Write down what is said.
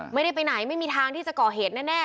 ไม่ได้ไปไหนไม่มีทางที่จะก่อเหตุแน่